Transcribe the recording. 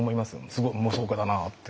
すごい妄想家だなって。